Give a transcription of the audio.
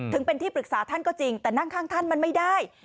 ถึงเป็นที่ปรึกษาท่านก็จริงแต่นั่งข้างท่านมันไม่ได้